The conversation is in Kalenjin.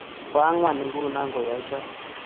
bo ang'wan nguno koyae choe